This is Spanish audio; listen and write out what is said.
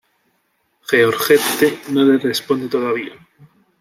Georgette no le responde todavía.